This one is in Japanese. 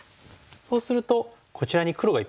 そうするとこちらに黒がいっぱいありますからね。